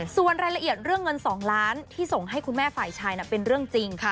ส่วนรายละเอียดเรื่องเงิน๒ล้านที่ส่งให้คุณแม่ฝ่ายชายเป็นเรื่องจริง